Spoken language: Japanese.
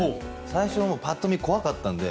最初、パッと見怖かったんで。